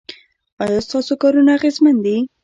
ایا ستاسو کارونه اغیزمن دي؟